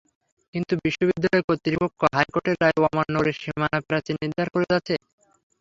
কিন্তু বিশ্ববিদ্যালয় কর্তৃপক্ষ হাইকোর্টের রায় অমান্য করে সীমানাপ্রাচীর নির্মাণ করে যাচ্ছে।